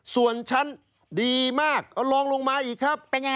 ส่วนชั้นดีมากลองลงมาอีกครับ